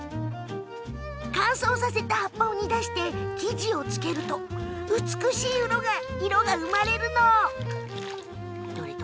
乾燥させた葉っぱを煮出して生地をつけると美しい色が生まれるの。